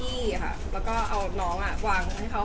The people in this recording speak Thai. แล้วก็เอาน้องอ่ะวางที่เขา